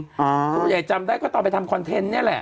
ผู้ใหญ่จำได้ก็ตอนไปทำคอนเทนต์นี่แหละ